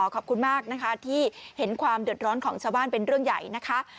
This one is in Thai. ขอบคุณมากนะคะที่เห็นความเดือดร้อนของชาวบ้านเป็นเรื่องใหญ่นะคะ